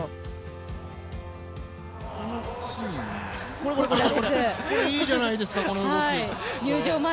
これこれ、これいいじゃないですかこの動き。